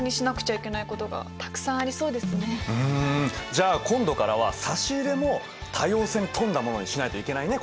じゃあ今度からは差し入れも多様性に富んだものにしないといけないね